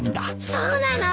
そうなの？